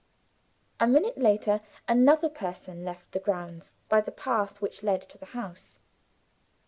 A minute later, another person left the grounds by the path which led to the house.